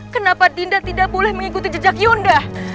kenapa dinda tidak boleh mengikuti jejak yonda